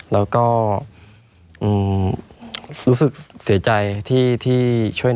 ไม่มีครับไม่มีครับ